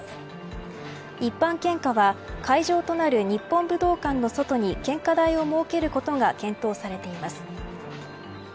一般献花は会場となる日本武道館の外に献花台を設けることが検討されています。